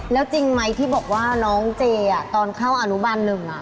แล้วจริงไหมที่บอกว่าน้องเจตอนเข้าอนุบันหนึ่ง